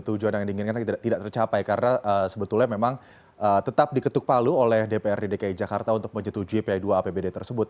tujuan yang diinginkan tidak tercapai karena sebetulnya memang tetap diketuk palu oleh dprd dki jakarta untuk menyetujui pa dua apbd tersebut